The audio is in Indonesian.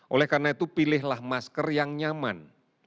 oleh karena itu pilihlah masker yang nyaman